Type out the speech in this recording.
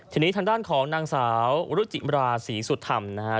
ทีนี้ทางด้านของนางสาวรุจิมราศีสุธรรมนะฮะ